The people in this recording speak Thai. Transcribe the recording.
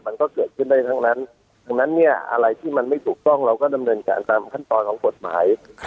มันก็เกิดขึ้นได้ทั้งนั้นดังนั้นเนี่ยอะไรที่มันไม่ถูกต้องเราก็ดำเนินการตามขั้นตอนของกฎหมาย